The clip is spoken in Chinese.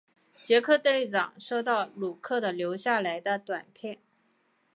杰克队长收到鲁克的留下来的短片。